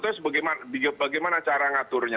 terus bagaimana cara ngaturnya